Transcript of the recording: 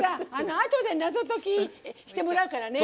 あとで謎解きしてもらうからね。